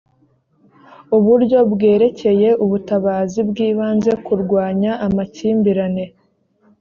uburyo bwerekeye ubutabazi bw’ibanze kurwanya amakimbirane